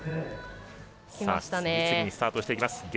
次々にスタートしていきます。